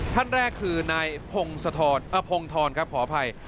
ท่านแรกคือนายพงศธรอพงธรครับขออภัย